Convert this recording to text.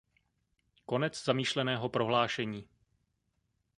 Konec zamýšleného prohlášení.